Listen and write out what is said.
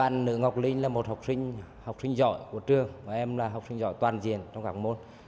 ngọc linh là một học sinh giỏi của trường và em là học sinh giỏi toàn diện trong các môn